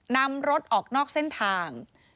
นำรถออกนอกเส้นทาง